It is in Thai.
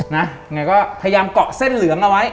ไงก็พยายามเกาะเส้นเหลืองเอาไว้